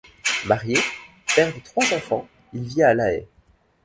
Marié, père de trois enfants, il vit à La Haye.